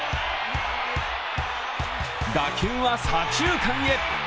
打球は左中間へ。